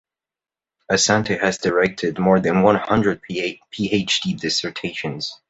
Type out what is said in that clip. Asante has directed more than one hundred PhD dissertations.